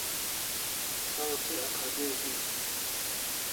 Saw thi akhabir hin